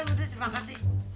enggak udah terima kasih